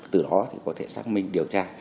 từ đó thì có thể xác minh điều tra